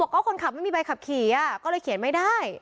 ก็คนขับไม่มีใบขับขี่ก็เลยเขียนไม่ได้